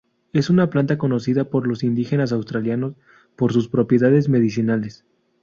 Es una planta conocida por los indígenas australianos por sus propiedades medicinales.